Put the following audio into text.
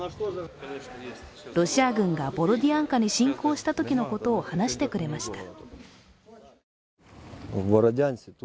ロシア軍がボロディアンカに侵攻したときのことを話してくれました。